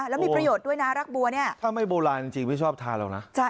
แล้วมีประโยชน์ด้วยนะรักบัวเนี่ยถ้าไม่โบราณจริงไม่ชอบทานหรอกนะ